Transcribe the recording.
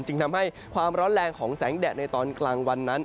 จึงทำให้ความร้อนแรงของแสงแดดในตอนกลางวันนั้น